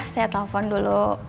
saya telepon dulu